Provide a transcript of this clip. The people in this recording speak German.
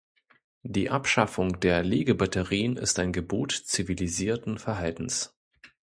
Die Abschaffung der Legebatterien ist ein Gebot zivilisierten Verhaltens.